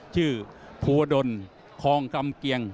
ภูวดลคองกำเกียง